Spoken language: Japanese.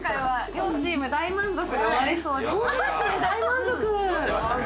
大満足！